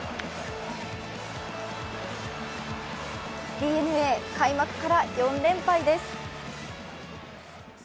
ＤｅＮＡ、開幕から４連敗です。